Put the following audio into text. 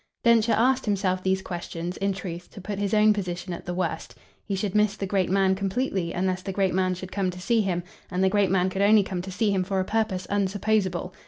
Densher asked himself these questions, in truth, to put his own position at the worst. He should miss the great man completely unless the great man should come to see him, and the great man could only come to see him for a purpose unsupposable.